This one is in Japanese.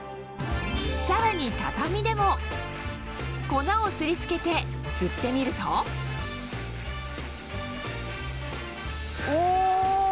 さらに畳でも粉をすり付けて吸ってみるとお！